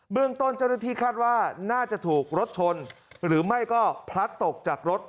เรื่องต้นเจ้าหน้าที่คาดว่าน่าจะถูกรถชนหรือไม่ก็พลัดตกจากรถ